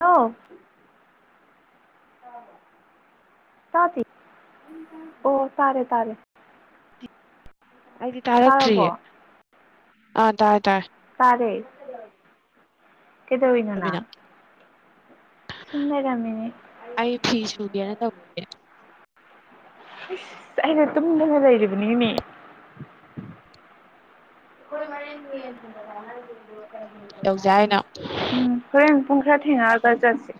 hello ꯇꯥꯇ ꯑꯣ ꯇꯔꯦ ꯇꯔꯦ ꯑꯩꯗꯤ ꯇꯥꯔꯛꯇ꯭ꯔꯤꯌꯦ ꯑꯥ ꯇꯥꯏ ꯇꯥꯏ ꯦ ꯀꯗꯣ ꯏꯅꯅ ꯃꯤꯅ ꯑꯩ ꯐꯤ ꯁꯨꯒꯦꯅ ꯇꯧꯒꯦ ꯏꯁꯁ ꯑꯩꯅ ꯇꯨꯝꯗꯅ ꯂꯩꯔꯤꯕꯅꯤꯅꯦ ꯑꯩꯈꯣꯏ ꯍꯣꯔꯦꯟ ꯌꯦꯟ ꯇꯧꯁꯦ ꯍꯥꯏꯅꯣ ꯎꯝ ꯍꯣꯏ ꯄꯨꯡꯈ꯭ꯔ ꯊꯦꯡꯉꯒꯖꯁꯤꯦ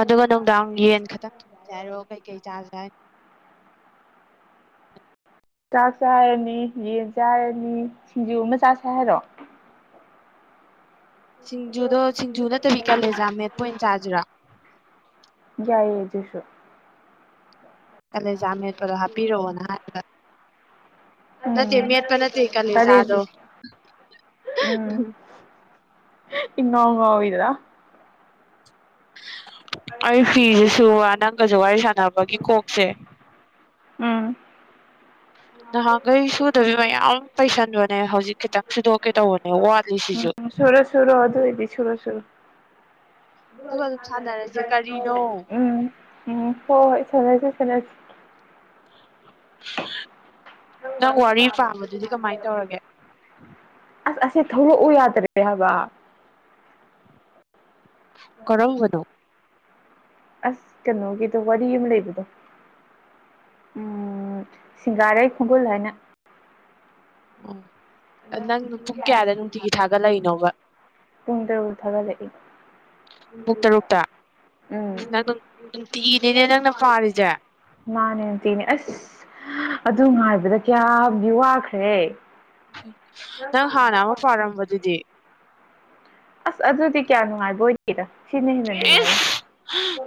ꯑꯗꯨꯒ ꯅꯨꯡꯗꯥꯡ ꯌꯦꯟ ꯈꯛꯇꯪ ꯊꯣꯡꯖꯦ ꯍꯥꯏꯔꯣ ꯀꯩꯀꯩ ꯆꯥꯥꯁ ꯌꯥꯥꯏ ꯆꯥꯛ ꯆꯥꯔꯅꯤ ꯌꯦꯟ ꯆꯥꯔꯅꯤ ꯁꯤꯡꯖꯨ ꯑꯃ ꯆꯥꯁꯦ ꯍꯥꯏꯔꯣ ꯁꯤꯡꯖꯨꯗꯣ ꯁꯤꯡꯖꯨ ꯅꯠꯇꯕꯤ ꯀꯌꯥꯂꯦꯖꯥ ꯃꯦꯠꯄꯟ ꯆꯥꯁꯤꯔꯥ ꯌꯥꯏꯌꯦ ꯑꯗꯨꯁꯨ ꯍꯂꯦ ꯖꯥꯃꯦꯠꯄꯗꯣ ꯍꯥꯞꯄꯤꯔꯛꯑꯣꯅ ꯍꯥꯏꯕ ꯅꯠꯇꯦ ꯃꯦꯠꯄ ꯅꯠꯇꯦ ꯎꯝꯗꯗꯤ ꯀꯥꯂꯦꯖꯥꯗꯣ ꯎꯝ ꯏꯉ ꯎꯉ ꯑꯣꯏꯣꯏꯗ ꯑꯩ ꯐꯤꯁꯤꯁꯨ ꯅꯪꯒꯁꯨ ꯋꯥꯔꯤ ꯁꯥꯟꯅꯕꯒꯤ ꯀꯣꯛꯁꯦ ꯎꯝ ꯅꯍꯥꯟꯈꯩ ꯁꯨꯗꯕꯤ ꯃꯌꯥꯝ ꯄꯩꯁꯟꯕꯅꯦ ꯍꯧꯖꯤꯛ ꯈꯤꯇꯪ ꯁꯨꯗꯣꯛꯀꯦ ꯇꯧꯕꯅꯦ ꯋꯥꯠꯂꯤ ꯁꯤꯁꯨ ꯝ ꯁꯣꯨꯔ ꯁꯨꯔ ꯑꯗꯨꯣ ꯏꯗꯤ ꯁꯨꯔ ꯁꯨꯔ ꯑꯗꯨꯒ ꯑꯗꯨꯝ ꯁꯥꯟꯅꯔꯁꯦ ꯀꯔꯤꯅꯣ ꯎꯝ ꯎꯝ ꯍꯣꯏꯣꯏ ꯁꯂ ꯈꯔ ꯅꯪ ꯋꯥꯔꯤ ꯄꯥꯝꯕꯗꯨꯗꯤ ꯀꯃꯥꯏ ꯇꯧꯔꯒꯦ ꯑꯁ ꯑꯁꯤꯦ ꯊꯧꯔ ꯎ ꯌꯥꯗ ꯔꯦ ꯍꯥꯏꯕ ꯀꯔꯝꯕꯅꯣ ꯀꯔ ꯑꯁ ꯀꯩꯅꯣꯒꯤꯗꯣ ꯋꯥꯔꯤ ꯑꯃ ꯂꯩꯕꯗꯣ ꯎꯝ ꯁꯤꯡꯒꯥꯔꯩ ꯀꯣꯡꯒꯜ ꯍꯥꯏꯅ ꯑꯣ ꯅꯪ ꯄꯨꯡ ꯀꯌꯥꯗ ꯅꯨꯡꯇꯤꯒꯤ ꯊꯥꯒꯠꯂꯛꯏꯅꯣꯕ ꯄꯨꯨꯡꯗꯔ ꯊꯒ ꯂꯩ ꯄꯨꯡ ꯇꯔꯨꯛꯇ ꯎꯝ ꯅꯪ ꯅꯨꯡ ꯅꯨꯡꯇꯤꯒꯤꯅꯤꯅꯦ ꯅꯪꯅ ꯄꯥꯔꯤꯁꯦ ꯅꯥꯟꯇꯅꯦ ꯑꯁ ꯑꯗꯨ ꯉꯥꯏꯕꯗ ꯀꯌꯥꯝꯗꯤ ꯋꯥꯈ꯭ꯔꯦ ꯅꯪ ꯍꯥꯟꯅ ꯑꯃ ꯄꯥꯔꯝꯕꯗꯨꯗꯤ ꯑꯁ ꯑꯗꯨꯗꯤ ꯀꯌꯥ ꯅꯨꯡꯉꯥꯏꯕ ꯑꯣꯏꯅꯤꯔ ꯁꯤꯅ ꯍꯦꯟꯅ ꯅꯨꯡꯉꯥꯏ ꯏꯁ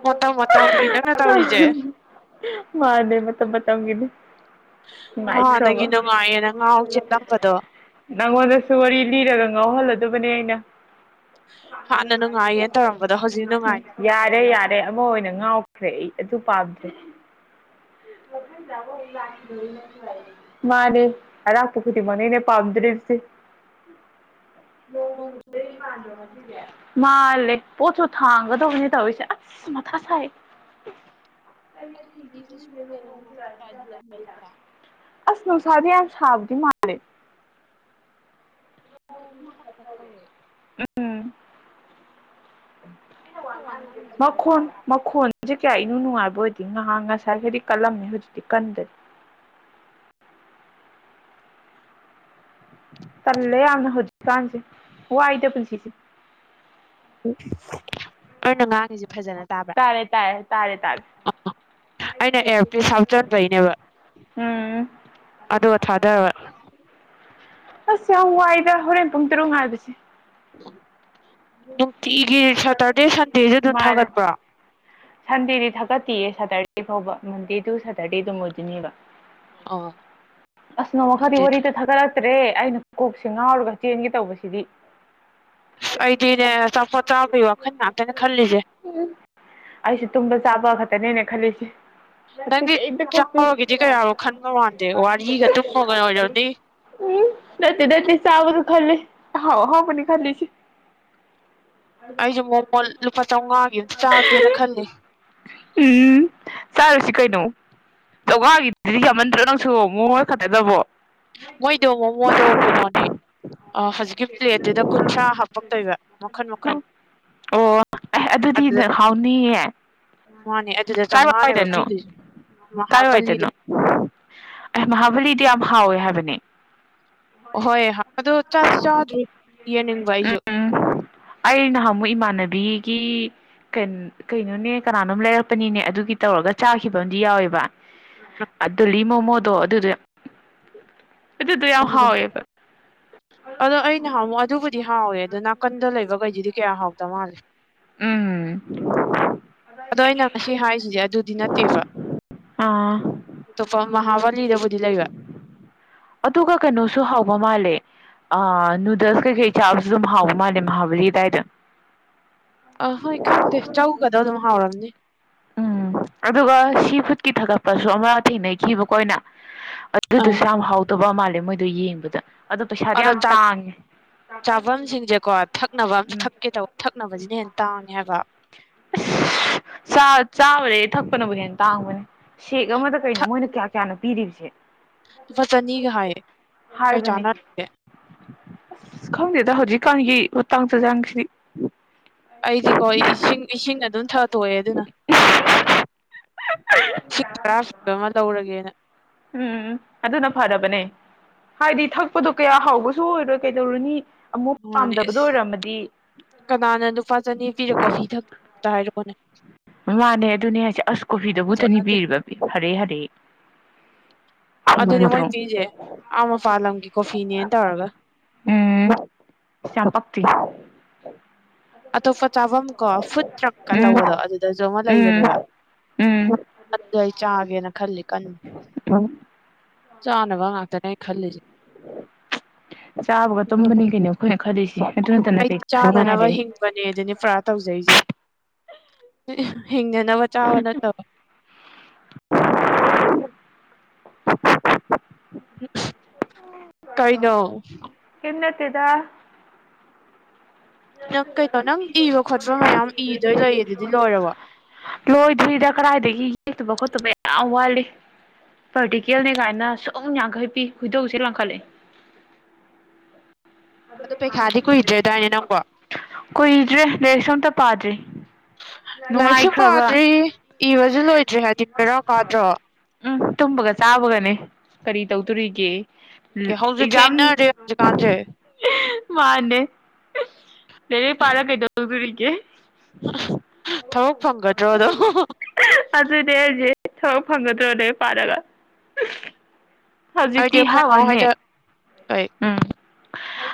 ꯃꯇꯝ ꯃꯇꯝꯒꯤ ꯅꯪꯅ ꯇꯧꯔꯤꯁꯦ ꯃꯥꯅꯦ ꯃꯇꯝ ꯃꯇꯝꯒꯤꯅꯤ ꯏ ꯁꯕ ꯍꯥꯟꯅꯒꯤ ꯅꯨꯡꯉꯥꯏꯌꯦꯅ ꯉꯥꯎ ꯆꯦꯜꯂꯝꯕꯗꯣ ꯅꯪꯉꯣꯟꯗꯁꯨ ꯋꯥꯔꯤ ꯂꯤꯔꯒ ꯉꯥꯎꯍꯜꯂꯗꯕꯅꯦ ꯑꯩꯅ ꯍꯥꯟꯅ ꯅꯨꯡꯉꯥꯏꯌꯦꯅ ꯇꯧꯔꯝꯕꯗꯣ ꯍꯧꯖꯤꯛ ꯅꯨꯡꯉꯥꯏ ꯎꯝ ꯌꯥꯔꯦ ꯌꯥꯔꯦ ꯑꯃ ꯑꯣꯏꯅ ꯉꯥꯎꯈ꯭ꯔꯦ ꯑꯩ ꯑꯗꯨ ꯄꯥꯗ꯭ꯔꯦ ꯃꯥꯅꯦꯦ ꯑꯗꯄꯣ ꯈꯗꯤ ꯃꯅꯅꯦ ꯄꯥꯝꯗ꯭ꯔꯔꯤꯁꯤꯦ ꯅꯣꯡ ꯆꯨꯗꯣꯏ ꯃꯥꯟꯕ꯭ꯔꯣ ꯉꯁꯤꯁꯦ ꯃꯥꯂ ꯄꯣꯠꯁꯨ ꯊꯥꯡꯒꯗꯕꯅꯤ ꯇꯧꯔꯤꯁꯦ ꯑꯁ ꯃꯊꯥ ꯁꯥꯏ ꯑꯩꯗꯤ ꯐꯤꯁꯦ ꯁꯨꯒꯦ ꯅꯣꯡ ꯃꯪꯉꯛꯑꯗꯤ ꯇꯟꯕꯁꯤꯗ [unintelligible] ꯁꯗꯤ ꯑꯟꯁꯕꯗꯤ ꯃꯦ ꯅꯣꯡꯁꯨ ꯃꯇ ꯇꯧꯋꯦ ꯑꯩꯅ ꯋꯥ ꯉꯥꯡꯉꯤꯁꯦ ꯃꯈꯨꯟ ꯃꯈꯨꯟꯦ ꯀꯌꯥ ꯀꯅꯨ ꯅꯨꯡꯉꯥꯏꯕ ꯑꯣꯏꯗꯤ ꯉꯍꯥꯛ ꯉꯁꯥꯏ ꯍꯥꯏꯗꯤ ꯀꯜꯂꯝꯃꯦ ꯍꯧꯖꯤꯛꯇꯤ ꯀꯟꯗꯔꯤꯦ ꯇꯜꯂꯦ ꯌꯥꯝꯅ ꯍꯧꯖꯤꯀꯥꯟꯁꯦ ꯍ ꯑꯏꯗ ꯄꯨꯂꯤꯁꯤꯁꯤꯦ ꯑꯔꯅ ꯉꯥꯡꯉꯤꯁ ꯐꯖꯅ ꯇꯥꯕ꯭ꯔꯥ ꯇꯥꯔꯦ ꯇꯥꯔꯦ ꯇꯥꯔꯦ ꯇꯥꯔꯦ ꯑꯩꯅ ꯑꯦꯐ ꯄꯤ ꯁꯥꯎꯆꯟꯕꯩꯅꯦꯕ ꯎꯝ ꯑꯗꯣ ꯊꯥꯗꯕ ꯑꯁ ꯌꯥꯝ ꯋꯥꯏꯗ ꯍꯣꯔꯦꯟ ꯄꯨꯡ ꯇꯔꯨꯛ ꯍꯥꯏꯕꯁꯦ ꯅꯨꯡꯇꯤꯒꯤ ꯁꯇꯔꯗꯦ ꯁꯟꯗꯦꯗꯨ ꯑꯗꯨꯝ ꯃꯥꯅꯦ ꯊꯥꯒꯠꯄ꯭ꯔꯥ ꯁꯟꯗꯦꯗꯤ ꯊꯥꯒꯠꯇꯤꯌꯦ ꯁꯇꯔꯗꯦ ꯐꯥꯎꯕ ꯃꯟꯗꯦ ꯇꯨ ꯁꯦꯇꯔꯗꯦ ꯑꯗꯨꯝ ꯑꯣꯏꯗꯣꯏꯅꯦꯕ ꯑ ꯑꯁ ꯅꯣꯡꯃ ꯈꯔꯗꯤ ꯋꯥꯔꯤꯗ ꯊꯥꯒꯠꯂꯛꯇ꯭ꯔꯦ ꯑꯩꯅ ꯀꯣꯛꯁꯦ ꯉꯥꯎꯔꯒ ꯆꯦꯟꯒꯦ ꯇꯧꯕꯁꯤꯗꯤ ꯑꯁ ꯑꯩꯗꯤꯅꯦ ꯑꯆꯥꯄꯣꯠ ꯆꯥꯕꯒꯤ ꯋꯥꯈꯜ ꯉꯥꯛꯇꯅꯦ ꯈꯜꯂꯤꯁꯦ [unintelligible] ꯎꯝ ꯑꯩꯁꯦ ꯇꯨꯝꯕ ꯆꯥꯕ ꯈꯛꯇꯅꯦꯅ ꯈꯜꯂꯤꯁꯦ ꯅꯪꯗꯤ ꯏꯕ ꯆꯥꯎꯔꯒꯤꯗꯤ ꯀꯌꯥꯔꯣ ꯈꯟꯕ ꯃꯥꯟꯗꯦ ꯍ ꯋꯥꯔꯤꯒ ꯇꯨꯝꯃꯒ ꯑꯣꯏꯔꯝꯅꯤ ꯎꯝ ꯗꯠꯇ ꯗꯠꯇ ꯁꯕ ꯈꯜꯂꯤ ꯍꯥꯎ ꯍꯥꯎꯕꯅꯤ ꯈꯜꯂꯤꯁꯤ ꯑꯩꯁꯨ ꯃꯣꯃꯣ ꯂꯨꯄꯥ ꯆꯥꯝꯃꯉꯥꯒꯤ ꯑꯝꯇ ꯆꯥꯒꯦꯅ ꯑ ꯈꯜꯂꯤ ꯎꯝ ꯆꯔꯁꯤ ꯀꯩꯅꯣ ꯆꯥꯎꯉꯥꯒꯤꯗꯤ ꯌꯥꯝꯃꯟꯗ꯭ꯔꯣ ꯅꯪꯁꯨ ꯃꯣ ꯍꯣꯏ ꯈꯛꯇꯗꯕꯣ ꯃꯣꯏꯗꯣ ꯃꯣꯃꯣꯗꯣ ꯀꯩꯅꯣꯅꯦ ꯑ ꯍꯧꯖꯤꯛꯀꯤ ꯄ꯭ꯂꯦꯠꯇꯨꯗ ꯀꯨꯟꯊ꯭ꯔꯥ ꯍꯥꯞꯄꯛꯇꯣꯏꯕ ꯃꯈꯟ ꯃꯈꯟ ꯑꯣ ꯑꯩ ꯑꯗꯨꯗꯤ ꯑꯗꯨꯗ ꯅꯔꯍꯥꯎꯅꯤꯌꯦ ꯃꯥꯅꯦ ꯑꯗꯨꯗ ꯀꯥꯏ ꯋꯥ ꯆꯥꯝꯃꯉꯥꯅꯦꯕ ꯇꯅꯣ ꯄꯤꯗꯣꯏꯁꯦ ꯀꯥꯏ ꯑꯣꯏꯏ ꯃꯍꯥꯕꯂꯤꯗ ꯇꯅꯣ ꯑꯩ ꯃꯍꯥꯕꯂꯤꯗꯤ ꯌꯥꯝ ꯍꯥꯎꯋꯦ ꯍꯥꯏꯕꯅꯤ ꯍꯣꯏ ꯑꯗꯣ ꯆꯥꯗꯤ ꯆꯥꯗ ꯌꯦꯅꯤꯡ ꯋꯥꯏꯁꯨ ꯎꯝ ꯑꯩ ꯅꯍꯥꯟ ꯑꯃꯨꯛ ꯏꯃꯥꯟꯅꯕꯤ ꯀ ꯀꯩꯅꯣꯅꯦ ꯀꯅꯥꯅꯣꯝ ꯂꯩꯔꯛꯄꯅꯤꯅꯦ ꯑꯗꯨꯒꯤ ꯇꯧꯔꯒ ꯆꯥꯈꯤꯕ ꯑ ꯑꯃꯗꯤ ꯌꯥꯎꯋꯦꯕ ꯑꯗꯨꯗ ꯂꯤꯃꯣ ꯃꯣꯗꯣ ꯑꯗꯨꯗ ꯑꯗꯨꯗ ꯑꯗꯣ ꯑꯩꯅ ꯍꯝꯃꯣ ꯑꯗꯨꯕꯨꯗꯤ ꯗꯤ ꯍꯥꯎꯋꯦ ꯑꯗꯣ ꯅꯥꯀꯟꯗ ꯂꯩꯕꯈꯩꯗꯨꯗꯤ ꯀꯌꯥ ꯍꯥꯎꯗ ꯃꯥꯜꯂꯦ ꯎꯝ ꯑꯗꯣ ꯑꯩꯅ ꯉꯁꯤ ꯍꯥꯏꯔꯤꯁꯤꯁꯦ ꯑꯗꯨꯗꯤ ꯅꯠꯇꯦꯕ ꯑꯥ ꯑꯇꯣꯞꯄ ꯃꯍꯍꯥꯕꯂꯤꯗꯕꯨꯗꯤ ꯂꯩꯕ ꯑꯗꯨꯒ ꯀꯩꯅꯣꯁꯨ ꯍꯥꯎꯕ ꯃꯥꯜꯂꯦ ꯑ ꯅꯨꯗꯜꯁ ꯀꯩꯀꯩ ꯆꯥꯕꯁꯨ ꯑꯗꯨꯝ ꯍꯥꯎꯕ ꯃꯥꯜꯂꯦ ꯃꯍꯥꯎꯕꯔꯤ ꯑꯗꯨꯗꯥꯏꯗ ꯑ ꯍꯣꯏ ꯈꯪꯗꯦ ꯆꯒꯗ ꯑꯗꯨꯝ ꯍꯥꯎꯔꯝꯅꯤ ꯎꯝ ꯑꯗꯨꯒ ꯁꯤ ꯐꯨꯠꯀꯤ ꯊꯥꯒꯠꯄꯁꯨ ꯑꯃ ꯊꯦꯡꯅꯈꯤꯕꯀꯣ ꯑꯣꯏꯅ ꯑꯥ ꯑꯗꯨꯗꯨꯁꯨ ꯌꯥꯝ ꯍꯥꯎꯇꯕ ꯃꯥꯜꯂꯦ ꯃꯣꯏꯗ ꯌꯦꯡꯕꯗ ꯄꯩꯁꯥꯗꯤ ꯑꯗꯣ ꯌꯥꯝ ꯇꯥꯡꯉꯦ ꯆꯥꯐꯝꯁꯤꯡꯁꯦꯀꯣ ꯊꯛꯅꯕ ꯑꯝꯇ ꯎꯝ ꯊꯛꯀꯦ ꯇꯧꯕ ꯊꯛꯅꯕꯁꯤꯅ ꯍꯦꯟꯅ ꯇꯥꯡꯉ ꯍꯥꯏꯕ ꯑꯁ ꯆꯥꯕꯗꯒꯤ ꯊꯛꯄꯅꯕꯨ ꯍꯦꯟꯅ ꯇꯥꯡꯕꯅꯦ ꯁꯦꯛ ꯑꯃꯗ ꯀꯩꯅꯣ ꯊꯛ ꯃꯣꯏꯅ ꯀꯌꯥ ꯀꯌꯥꯅꯣ ꯄꯤꯔꯤꯕꯁꯦ ꯂꯨꯄꯥ ꯆꯅꯤꯒ ꯍꯥꯏꯌꯦ ꯀꯩ ꯍꯥꯏꯕꯅꯦ ꯆꯥꯟꯅꯔꯒꯦ ꯑꯁ ꯈꯪꯗꯦꯗ ꯍꯧꯖꯤꯛ ꯈꯪꯉ ꯇꯥꯡꯗ ꯆꯪꯁꯤꯗꯤ ꯑꯩꯗꯤꯀꯣ ꯏꯁꯤꯡ ꯏꯁꯤꯡ ꯑꯗꯨꯝ ꯊꯥꯠꯇꯣꯛꯑꯦ ꯑꯗꯨꯅ ꯁꯤ ꯈꯔ ꯐꯤꯕ ꯑꯃ ꯇꯧꯔꯒꯦꯅ ꯎꯝ ꯑꯗꯨꯅ ꯐꯔꯕꯅꯦ ꯍꯥꯏꯗꯤ ꯊꯛꯄꯗꯣ ꯀꯌꯥ ꯍꯥꯎꯕꯁꯨ ꯑꯣꯏꯔꯣꯏ ꯀꯩꯗꯧꯔꯨꯅꯤ ꯑꯃꯨꯛ ꯃꯥꯅꯦ ꯄꯥꯝꯗꯕꯗꯣ ꯏꯁ ꯑꯣꯏꯔꯝꯃꯗꯤ ꯀꯅꯥꯅ ꯅꯨꯄꯥ ꯆꯅꯤ ꯄꯤꯔꯛꯀꯣ ꯐꯤ ꯊ ꯑꯝꯇ ꯍꯥꯏꯔꯛꯣꯅꯦ ꯃꯃꯥꯅꯦ ꯑꯗꯨꯅꯦ ꯍꯥꯏꯁꯦ ꯑꯁ ꯄꯣꯠ ꯀꯣꯐꯤꯗꯕꯨꯠꯇꯅꯤ ꯅꯠꯇꯦ ꯄꯤꯔꯤꯕ ꯐꯔꯦ ꯐꯔꯦ ꯑꯗꯨꯅꯦ ꯃꯣꯏ ꯄꯤꯁꯦ ꯑꯥ ꯃꯄꯥꯥꯟ ꯂꯝꯒꯤ ꯀꯣꯐꯤꯅꯦꯅ ꯇꯧꯔꯒ ꯎꯝ ꯆꯝꯄꯤ ꯑꯇꯣꯞꯄ ꯆꯥꯐꯝ ꯀꯣ ꯐꯨꯠ ꯇ꯭ꯔꯛꯀ ꯎꯝ ꯇꯧꯕꯗꯣ ꯑꯗꯨꯗꯁꯨ ꯑꯃ ꯎꯝ ꯂꯩꯕꯅꯦꯕ ꯎꯝ ꯑꯗꯨ ꯑꯩ ꯆꯥꯒꯦꯅ ꯈꯜꯂꯤ ꯀꯟꯅꯨ ꯆꯥꯅꯕ ꯉꯥꯛꯇꯅꯦ ꯈꯜꯂꯤꯁꯦ ꯆꯥꯕꯒ ꯇꯨꯝꯒꯅꯤ ꯀꯩꯅꯣ ꯑꯩꯈꯣꯏꯅ ꯈꯗꯁꯤ ꯑꯩꯗꯤ ꯆꯥꯅꯅꯕ ꯍꯤꯡꯕꯅꯦꯗꯅꯤ ꯄꯨꯔꯥ ꯇꯧꯖꯩꯁꯦ ꯍꯤꯡꯅꯅꯕ ꯆꯥꯕ ꯅꯠꯇꯕ ꯀꯥꯏꯅ ꯇꯗ ꯅꯪ ꯀꯩꯅꯣ ꯅꯪ ꯏꯕ ꯈꯣꯠꯄ ꯃꯌꯥꯝ ꯏꯗꯣꯏ ꯂꯩꯌꯦ ꯑꯗꯨꯗꯤ ꯂꯣꯏꯔꯕ ꯂꯣꯏꯗ꯭ꯣꯏꯔꯤꯗ ꯀꯗꯥꯏꯗꯒꯤ ꯌꯦꯛꯇꯕ ꯈꯣꯠꯇꯕ ꯌꯥꯝ ꯋꯥꯠꯂꯤ ꯄꯔꯇꯤꯀꯦꯜꯅꯤ ꯀꯥꯏꯅ ꯁꯨꯝ ꯌꯥꯡꯈꯩ ꯄꯤ ꯈꯣꯏꯗꯧꯁꯦ ꯂꯥꯡꯈꯠꯂ [unintelligible] [inaudible] ꯑꯗꯨ ꯄꯩꯈꯥꯗꯤ ꯀꯨꯏꯗ꯭ꯔꯦꯗꯥꯏꯅꯦ ꯅꯪꯕꯣ ꯀꯨꯏꯗ꯭ꯔꯦ ꯂꯔꯤꯁꯣꯝꯇ ꯄꯥꯗ꯭ꯔꯤ ꯂꯥꯏꯔꯤꯛꯁꯨ ꯅꯨꯡꯉꯥꯏꯈ꯭ꯔꯕ ꯄꯥꯗ꯭ꯔꯤ ꯏꯕꯁꯨ ꯂꯣꯏꯗ꯭ꯔꯔꯤ ꯍꯥꯏꯗꯤ ꯄꯦꯔꯥ ꯀꯥꯗ꯭ꯔꯣ ꯎꯝ ꯇꯨꯝꯕꯒ ꯆꯥꯕꯒꯅꯦ ꯀꯔꯤ ꯇꯧꯗꯣꯔꯤꯒꯦ ꯎꯝ ꯌꯥꯍꯧꯁꯨ ꯑꯦꯛꯖꯝ ꯊꯦꯡꯅꯔꯦ ꯍꯧꯖꯤꯛꯀꯥꯟꯁꯦ ꯃꯥꯦ ꯂꯩꯔ ꯄꯥꯔ ꯀꯩꯇꯣꯦ ꯊꯕꯛ ꯐꯪꯒꯗ꯭ꯔꯣꯗꯣ ꯑꯗꯨꯏꯗꯤ ꯑꯩꯁꯦ ꯊꯕꯛ ꯐꯪꯒꯗ꯭ꯔꯣꯅꯦ ꯄꯥꯜꯂꯒ ꯑꯗꯨꯗꯤ ꯑꯩꯈꯣꯏꯃꯥꯎ ꯍꯣꯏꯗ ꯀ ꯎꯝ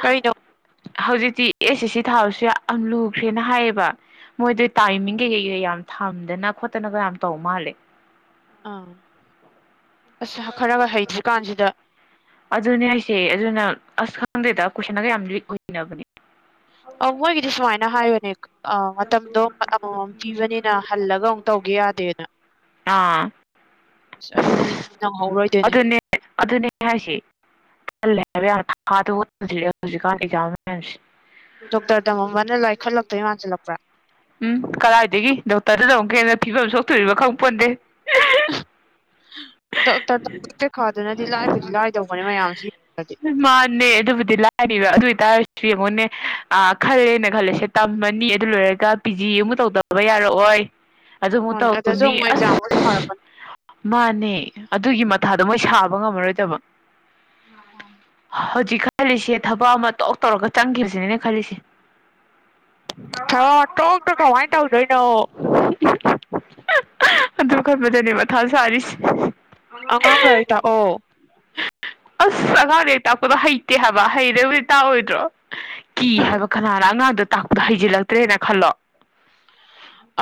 ꯀꯔꯤꯅꯣ ꯍꯧꯖꯤꯛꯇꯤ ꯑꯦ ꯁꯤ ꯁꯤ ꯊꯥꯕꯁꯨ ꯌꯥꯝ ꯌꯥꯝ ꯂꯨꯈ꯭ꯔꯦꯅ ꯍꯥꯏꯌꯦꯕ ꯃꯣꯏꯗ ꯇꯥꯏꯃꯤꯡ ꯀꯩꯀꯩꯀꯩ ꯌꯥꯝ ꯊꯝꯗꯅ ꯈꯣꯠꯇꯅꯒ ꯌꯥꯝ ꯇꯧ ꯃꯥꯜꯂꯦ ꯑꯥ ꯑꯁ ꯈꯔꯒ ꯍꯩꯇ꯭ꯔꯤꯀꯥꯟꯁꯤꯗ ꯑꯗꯨꯅꯦ ꯍꯥꯏꯁꯦ ꯑꯗꯨꯅ ꯑꯁ ꯈꯪꯗꯦꯗ ꯀꯣꯏꯁꯟꯒ ꯌꯥꯝ ꯂꯤꯋꯛ ꯑꯣꯏꯟꯅꯕꯅꯦ ꯑ ꯃꯣꯏꯒꯤꯗꯤ ꯁꯨꯃꯥꯏꯅ ꯍꯥꯏꯌꯨꯅꯦ ꯑ ꯃꯇꯝꯗꯣ ꯑꯃꯃꯝ ꯄꯤꯕꯅꯤꯅ ꯍꯜꯂꯒ ꯑꯃꯨꯛ ꯇꯧꯒꯦ ꯌꯥꯗꯦꯗ ꯑꯥ [inaudible] ꯑꯁ ꯑꯗꯨꯗꯤ ꯅꯪꯍꯧꯔꯣꯏꯗꯣꯏꯅꯦ ꯍꯥꯏꯁ ꯈꯜꯂꯦ ꯍꯥꯏꯕ ꯌꯥ ꯊꯥꯥꯗ ꯇꯁꯤꯜꯂꯦ ꯍꯧꯖꯤꯛꯀꯥꯟ ꯑꯦꯛꯖꯥꯝ ꯃꯌꯥꯝꯁꯦ ꯗꯣꯛꯇꯔ ꯇꯝꯃꯝꯕꯅ ꯂꯥꯏꯈꯠꯂꯛꯇꯣꯏ ꯃꯥꯟꯁꯤꯜꯂꯛꯄ꯭ꯔꯥ [unintelligible] [inaudible] ꯎꯝ ꯀꯗꯥꯏꯗꯒꯤ ꯗꯣꯛꯇꯔꯗꯨꯗ ꯑꯃꯨꯛꯀ ꯍꯦꯟꯅ ꯐꯤꯕꯝ ꯁꯣꯛꯇꯣꯔꯤꯕꯅꯣ ꯈꯪ ꯄꯣꯟꯗꯦ [unintelligible] [inaudible] ꯗꯣꯛꯇꯔ ꯄꯩꯈꯥꯗꯨꯅꯗꯤ ꯂꯥꯏꯕꯨꯗꯤ ꯂꯥꯏꯗꯧꯕꯅꯦ ꯃꯌꯥꯝꯁꯤ ꯌꯦꯡꯗꯤ ꯑꯦ ꯑꯗꯨꯕꯨꯗꯤ ꯂꯥꯏꯔꯤꯕ ꯍꯥꯏꯇꯥꯔꯁꯨ ꯌꯦꯡꯉꯣꯟꯅꯦ ꯈꯜꯂꯦꯅ ꯈꯜꯂꯁꯦ ꯇꯝꯃꯅꯤ ꯑꯗꯨ ꯂꯣꯏꯔꯒ ꯄꯤ ꯖꯤ ꯑꯃꯨꯛ ꯇꯧꯗꯕ ꯌꯥꯔꯦ ꯍꯥꯏꯔꯛꯑꯣꯏ ꯑꯗꯨꯃꯨꯛ ꯃꯥꯅꯦ ꯑꯗꯁꯨ ꯇꯧꯅꯤ ꯑꯃꯨꯛ ꯑꯁ ꯑꯦꯛꯖꯥꯝꯕꯨꯗꯤ ꯊꯥꯔꯛꯀꯅꯤ ꯃꯥꯅꯦ ꯑꯗꯨꯒꯤ ꯃꯊꯥꯗꯣ ꯃꯣꯏ ꯁꯥꯕ ꯉꯝꯃꯔꯣꯏꯗꯕ ꯍ [unintelligible] [inaudible] ꯍꯧꯖꯤꯛ ꯈꯜꯂꯤꯁꯦ ꯊꯕꯛ ꯑꯃ ꯇꯣꯛ ꯇꯧꯔꯒ ꯆꯪꯈꯤꯕꯁꯤꯅꯦꯅ ꯈꯜꯂꯤꯁꯦ ꯍ ꯊꯥꯔꯛꯑꯣ ꯇꯣꯛꯇ ꯀꯃꯥꯏꯅ ꯇꯧꯗꯣꯏꯅꯣ [unintelligible] [inaudible] ꯑꯗꯨ ꯈꯟꯄꯗꯅꯦ ꯃꯊꯥ ꯁꯥꯔꯤꯁꯦ [unintelligible] ꯑꯉꯥꯡ ꯂꯥꯏꯔꯤꯛ ꯇꯥꯛꯑꯣ [inaudible] ꯑꯁ ꯑꯉꯥꯡꯗ ꯍꯦꯛ ꯇꯥꯛꯄꯗꯣ ꯍꯩꯇꯦ ꯍꯥꯏꯕ ꯍꯩꯗꯤꯕꯨꯗꯤ ꯇꯥꯛꯑꯣꯏꯗ꯭ꯔꯣ ꯀꯤ ꯍꯥꯏꯕ ꯀꯅꯥꯅ ꯑꯉꯥꯡꯗꯣ ꯇꯥꯛꯄꯗ ꯍꯩꯖꯤꯜꯂꯛꯇ꯭ꯔꯦꯅ ꯈꯜꯂꯣ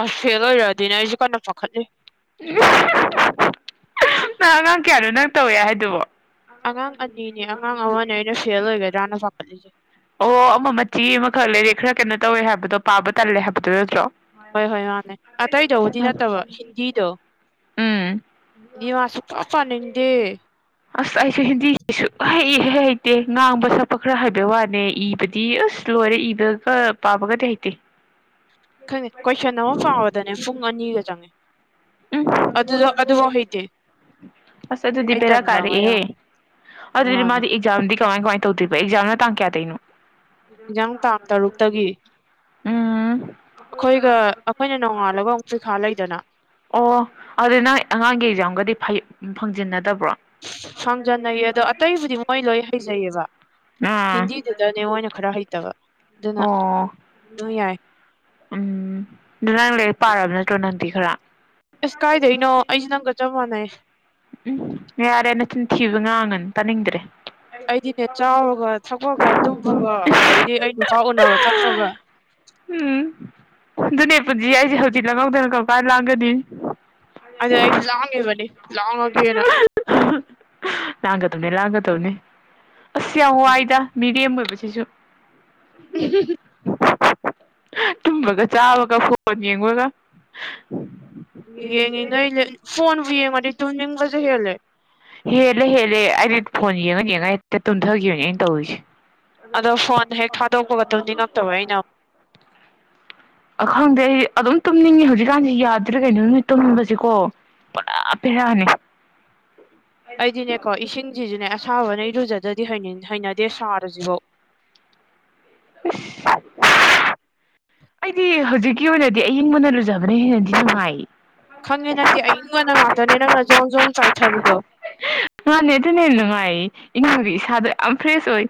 ꯑꯁ ꯐꯦꯜ ꯑꯣꯏꯔꯗꯤꯅꯦ ꯑꯩꯁꯤ ꯀꯥꯟꯅ ꯄꯥꯈꯠꯗꯤꯦ ꯅꯪ ꯑꯉꯥꯡ ꯀꯌꯥꯅꯣ ꯅꯪ ꯇꯧꯋꯦ ꯍꯥꯏꯗꯨꯕꯣ ꯑꯉꯥꯡ ꯑꯅꯤꯅꯦ ꯑꯉꯥꯡ ꯑꯃꯅꯦ ꯑꯩꯅ ꯐꯦꯜ ꯑꯣꯏꯒꯗ꯭ꯔꯥꯅ ꯐꯥꯈꯠꯂꯤꯁꯦ ꯑꯣ ꯑꯃ ꯃꯆꯤ ꯑꯃꯈꯛ ꯂꯩꯔꯦ ꯈꯔ ꯀꯩꯅꯣ ꯇꯧꯋꯦ ꯍꯥꯏꯕꯗꯣ ꯄꯥꯕ ꯇꯜꯂꯦ ꯍꯥꯏꯕꯗꯣ ꯅꯠꯇ꯭ꯔꯣ ꯍꯣꯏ ꯍꯣꯏ ꯃꯥꯅꯦ ꯑꯇꯩꯗꯕꯨꯗꯤ ꯅꯠꯇꯕ ꯍꯤꯟꯗꯤꯗꯣ ꯎꯝ ꯍꯤꯟꯗꯤ ꯃꯥ ꯁꯨꯡꯄꯥ ꯄꯥꯅꯤꯡꯗꯦ ꯑꯁ ꯑꯩꯁꯨ ꯍꯤꯟꯗꯤꯁꯤꯁꯨ ꯏꯍꯦ ꯍꯩꯇꯦ ꯉꯥꯡꯕ ꯁꯛꯄ ꯈꯔ ꯍꯥꯏꯕꯩ ꯋꯥꯅꯦ ꯏꯕꯗꯤ ꯑꯁ ꯂꯣꯏꯔꯦ ꯏꯕꯒ ꯄꯥꯕꯒꯗꯤ ꯍꯩꯇꯦ ꯑꯣꯦ ꯈꯪꯉꯦ ꯀꯣꯏꯁꯟ ꯑꯃ ꯄꯥꯎꯕꯗꯅꯦ ꯄꯨꯡ ꯑꯅꯤꯒ ꯆꯪꯉꯦ ꯎꯝ ꯑꯗꯨꯗ ꯑꯗꯨꯐꯥꯎ ꯍꯩꯇꯦ ꯑꯁ ꯑꯗꯨꯗꯤ ꯑꯩ ꯄꯦꯔꯥ ꯇꯟꯕ ꯑꯃ ꯀꯔꯦꯍꯦ ꯌꯥꯎꯋꯦ ꯑꯗꯨ ꯑꯗꯨꯗꯤ ꯃꯥꯅꯦ ꯃꯥꯗꯤ ꯑꯦꯛꯖꯥꯝ ꯗꯤ ꯀꯃꯥꯏ ꯀꯃꯥꯏ ꯇꯧꯗꯣꯏꯔꯤꯕ ꯑꯦꯛꯖꯥꯝꯅ ꯇꯥꯡ ꯀꯌꯥꯗꯩꯅꯣ ꯍꯟꯖꯥꯡ ꯇꯥꯡ ꯇꯔꯨꯛꯇꯒꯤ ꯎꯝ ꯑꯩꯈꯣꯏꯒ ꯑꯩꯈꯣꯏꯅ ꯅꯣꯡꯉꯥꯜꯂꯒ ꯑꯃꯨꯛꯁꯨꯨ ꯈꯥ ꯂꯩꯗꯅ ꯑꯣ ꯑꯗꯨ ꯅꯪ ꯑꯉꯥꯡꯒꯤ ꯑꯦꯛꯖꯥꯝꯒꯗꯤꯩ ꯐꯪꯖꯤꯟꯅꯗ ꯍꯪꯖꯅꯩꯌꯦ ꯑꯗꯣ ꯑꯇꯩꯕꯨꯗꯤ ꯃꯣꯏ ꯂꯣꯏ ꯍꯩꯖꯩꯌꯦꯕ ꯑꯥ ꯍꯤꯟꯗꯤꯗꯨꯗꯅꯦꯉꯣꯏꯅ ꯈꯔ ꯍꯩꯇꯕ ꯑꯗꯨꯅ ꯑꯣ ꯑꯗꯨꯝ ꯌꯥꯏ ꯎꯝ ꯅꯪ ꯂꯩ ꯄꯥꯔꯅ ꯇ ꯅꯪ ꯈꯔ ꯑꯁ ꯀꯥꯏꯗꯣꯏꯩꯅꯣ ꯑꯩꯁꯦ ꯅꯪꯒ ꯆꯞ ꯃꯥꯟꯅꯩ ꯎꯝ ꯌꯥꯔꯦꯅ ꯆꯤꯟꯊꯤꯕ ꯉꯥꯡꯉꯅ ꯇꯥꯅꯤꯡꯗ꯭ꯔꯦ [inaudible] ꯑꯩꯗꯤꯅꯦ ꯆꯥꯎꯔꯒ ꯊꯛꯄꯒ ꯇꯨꯝꯕꯒ ꯑꯗꯩꯗꯤ ꯑꯩ ꯅꯨꯄꯥ ꯎꯅꯕ ꯆꯠꯄꯒ ꯎꯝ ꯑꯗꯨꯅꯦ ꯄꯨꯟꯁꯤ ꯑꯩꯁꯦ ꯍꯧꯖꯤꯛ ꯂꯧꯪꯍꯧꯗꯅ ꯀꯛꯀꯥ ꯂꯥꯛꯑꯒꯗꯤ ꯑ ꯂꯥꯡꯒ ꯇꯧꯅꯦ ꯂꯥꯡꯒ ꯇꯧꯅꯤ ꯑꯁ ꯌꯥꯝ ꯋꯥꯏꯗ ꯃꯤꯔꯦꯝ ꯑꯣꯏꯕꯁꯤꯁꯨ ꯇꯨꯝꯕꯒ ꯆꯥꯕꯒ ꯐꯣꯟ ꯌꯦꯡꯕꯒ ꯌꯦꯡꯉꯉ ꯐꯣꯟꯕꯨ ꯌꯦꯡꯉꯗꯤ ꯇꯅꯤꯡꯕꯁꯨ ꯍꯦꯜꯂꯦ ꯍꯦꯜꯂꯦ ꯍꯦꯜꯂꯦ ꯑꯩꯗꯤ ꯐꯣꯟ ꯌꯦꯡꯉ ꯌꯦꯡꯉꯥꯏ ꯍꯦꯛꯇ ꯇꯨꯝꯊꯈꯤꯕꯅꯦ ꯑꯩꯅ ꯇꯧꯔꯤꯁꯦ ꯑꯗꯣ ꯐꯣꯟ ꯍꯦꯛ ꯊꯥꯗꯣꯛꯄꯒ ꯑꯗꯨꯝꯅꯤꯡꯉꯛꯇꯕ ꯑꯩꯅ ꯑ ꯈꯪꯗꯦ ꯑꯩ ꯑꯗꯨꯝ ꯇꯨꯝꯅꯤꯡꯉꯦ ꯍꯧꯖꯤꯛꯀꯥꯟꯁꯤ ꯌꯥꯗ꯭ꯔꯦ ꯀꯩꯅꯣ ꯅꯣꯏ ꯇꯨꯝꯅꯤꯡꯕꯕꯁꯤꯀꯣ ꯄꯨꯔ ꯄꯦꯔꯅꯤ ꯑꯩꯗꯤꯅꯦꯀꯣ ꯏꯁꯤꯡꯁꯤꯁꯨꯅꯦ ꯑꯁꯥꯕꯅꯩꯔꯨꯖꯗꯗꯤ ꯍꯥꯏꯩꯅꯤꯡꯉ ꯍꯩꯅꯗꯦ ꯁꯥꯔꯁꯤꯕꯣ [inaudible] ꯑꯩꯗꯤ ꯍꯧꯖꯤꯛꯀꯤ ꯑꯣꯏꯅꯗꯤ ꯑꯏꯤꯡꯕꯅ ꯂꯨꯖꯕꯅ ꯍꯦꯟꯅꯗꯤ ꯅꯨꯡꯉꯥꯏ ꯈꯪꯉꯦ ꯅꯪꯗꯤ ꯑꯌꯪ ꯉꯣꯟꯗ ꯉꯥꯛꯇꯅꯦ ꯅꯪ ꯑꯖꯣꯝꯖꯣꯝ ꯆꯥꯏꯊꯔꯤꯗꯣ ꯉꯥꯅꯦ ꯑꯗꯨꯅ ꯍꯦꯟꯅ ꯅꯨꯡꯉꯥꯏ ꯏꯉꯥꯒꯤ ꯏꯁꯥꯗꯣ ꯌꯥꯝ ꯐ꯭ꯔꯦꯁ ꯑꯣꯏ